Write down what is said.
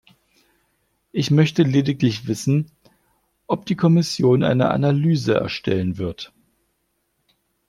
Ich möchte lediglich wissen, ob die Kommission eine Analyse erstellen wird.